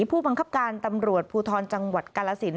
ผู้บังคับการตำรวจภูทรจังหวัดกาลสิน